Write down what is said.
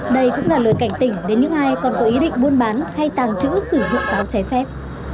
đây cũng là lời cảnh tỉnh đến những ai còn có ý định buôn bán hay tàng trữ sử dụng pháo trái phép